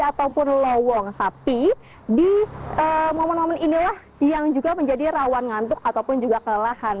ataupun lowong sapi di momen momen inilah yang juga menjadi rawan ngantuk ataupun juga kelelahan